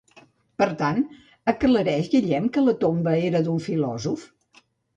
Per tant, aclareix Guillem que la tomba era d'un filòsof?